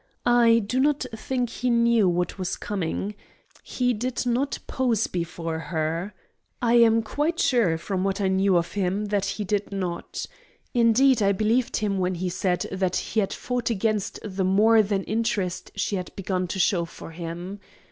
I do not think he knew what was coming. He did not pose before her. I am quite sure, from what I knew of him, that he did not. Indeed, I believed him when he said that he had fought against the more than interest she had begun to show for him.